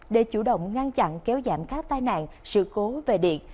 để chủ động ngăn chặn kéo giảm các tai nạn sự cố về điện